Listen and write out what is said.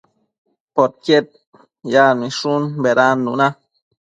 Poquied yacmishun bedannuna